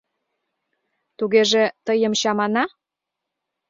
— Тугеже, тыйым чамана?